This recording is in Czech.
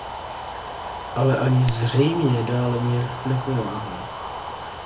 Ale ani zřejmě dále nijak nepomáhá.